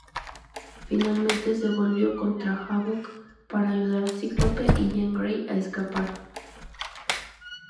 Finalmente se volvió contra Havok, para ayudar a Cíclope y Jean Grey a escapar.